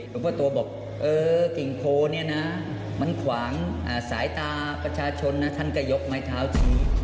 เพราะตัวบอกเออกิ่งโพมันขวางสายตาประชาชนทันกะยกไม้เท้าที